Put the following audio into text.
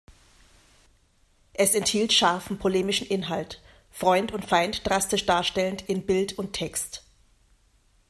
Es enthielt scharfen polemischen Inhalt, Freund und Feind drastisch darstellend in Bild und Text.